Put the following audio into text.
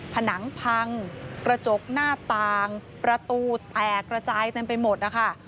ผนังพังกระจกหน้าต่างประตูแตกระจายเต็มไปหมดนะคะ